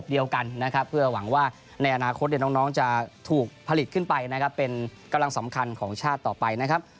ที่จะถูกผลิตขึ้นไปนะครับเป็นกำลังสำคัญของชาติต่อไปนะครับ